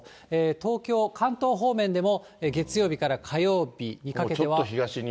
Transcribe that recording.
東京、関東方面でも月曜日から火曜日にかけては。